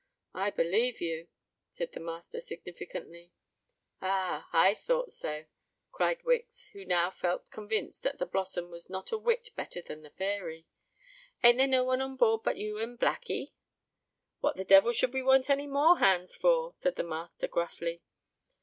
"I believe you," said the master, significantly. "Ah! I thought so," cried Wicks, who now felt convinced that the Blossom was not a whit better than the Fairy. "Ain't there no one on board but you and Blackee?" "What the devil should we want any more hands for?" said the master, gruffly.